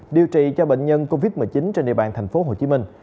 điều trị cho bệnh nhân covid một mươi chín trên địa bàn thành phố hồ chí minh